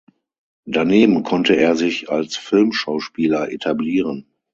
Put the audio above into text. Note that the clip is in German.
Daneben konnte er sich als Filmschauspieler etablieren.